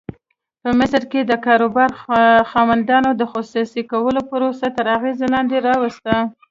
په مصر کې د کاروبار خاوندانو د خصوصي کولو پروسه تر اغېز لاندې راوسته.